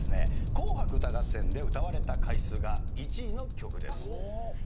『紅白歌合戦』で歌われた回数が１位の曲です。